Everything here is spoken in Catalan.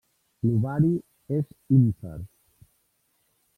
L'ovari és ínfer.